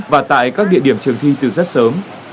và tại các địa điểm trường thi từ rất sớm